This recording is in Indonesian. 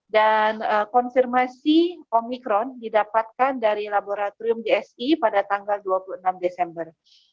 dan konfirmasi omikron didapatkan dari laboratorium di sc pada tanggal dua puluh enam desember